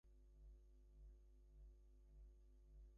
A Web spoof would have been infinitely easier.